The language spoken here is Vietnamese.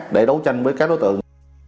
để đấu tranh với các đối tượng